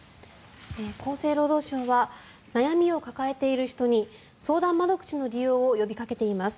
厚生労働省は悩みを抱えている人に相談窓口の利用を呼びかけています。